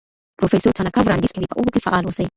پروفیسور تاناکا وړاندیز کوي په اوبو کې فعال اوسئ.